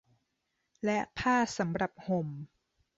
และผ้าสำหรับห่ม